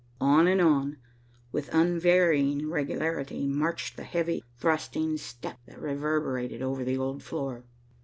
On and on, with unvarying regularity, marched the heavy, thrusting step that reverberated over the old floor.